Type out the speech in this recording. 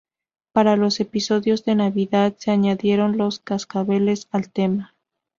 Para los episodios de Navidad, se añadieron los cascabeles al tema.